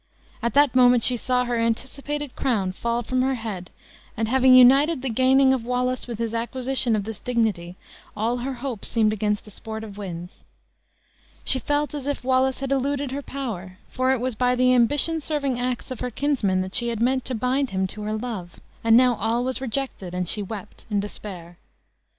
At that moment she saw her anticipated crown fall from her head, and having united the gaining of Wallace with his acquisition of this dignity, all her hopes seemed again the sport of winds. She felt as if Wallace had eluded her power, for it was by the ambition serving acts of her kinsman that she had meant to bind him to her love; and now all was rejected, and she wept in despair.